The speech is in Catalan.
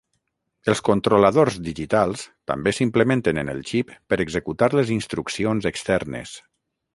Els controladors digitals també s'implementen en el xip per executar les instruccions externes.